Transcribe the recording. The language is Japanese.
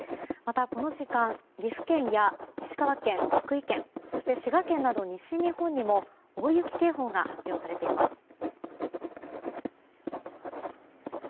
また、この時間岐阜県や石川県、福井県そして滋賀県など西日本にも大雪警報が発表されています。